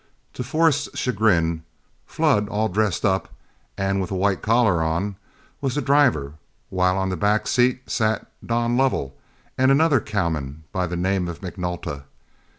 To Forrest's chagrin, Flood, all dressed up and with a white collar on, was the driver, while on a back seat sat Don Lovell and another cowman by the name of McNulta.